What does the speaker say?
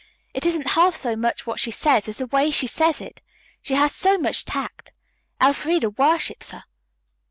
It isn't half so much what she says as the way she says it. She has so much tact. Elfreda worships her."